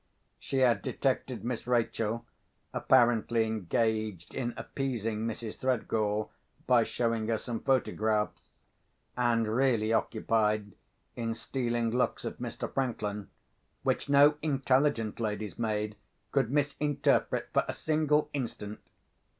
She had detected Miss Rachel, apparently engaged in appeasing Mrs. Threadgall by showing her some photographs, and really occupied in stealing looks at Mr. Franklin, which no intelligent lady's maid could misinterpret for a single instant.